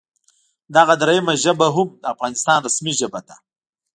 دغه دریمه ژبه هم د افغانستان رسمي ژبه ده